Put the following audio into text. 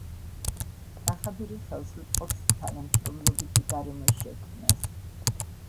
კახაბერი ხელს უწყობს თანამშრომლობითი გარემოს შექმნას